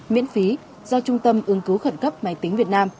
bốn trăm năm mươi sáu miễn phí do trung tâm ứng cứu khẩn cấp máy tính việt nam